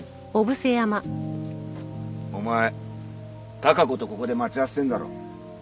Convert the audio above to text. お前貴子とここで待ち合わせてんだろ？